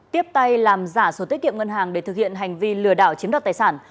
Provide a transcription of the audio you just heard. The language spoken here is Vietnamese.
tiếp tay làm giả sổ tiết kiệm ngân hàng để thực hiện hành vi lừa đảo chiếm đoạt tài sản